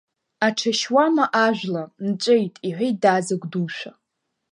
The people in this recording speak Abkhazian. Аҽашьуама ажәла, нҵәеит, — иҳәеит даазыгәдушәа.